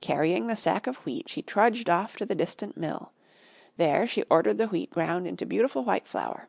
Carrying the sack of Wheat, she trudged off to the distant mill. There she ordered the Wheat ground into beautiful white flour.